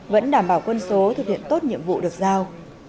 vẫn đảm bảo quân số thực hiện tốt nhiệm vụ được giao